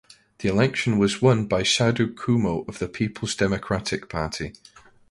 The election was won by Saidu Kumo of the Peoples Democratic Party.